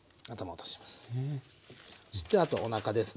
そしてあとおなかですね。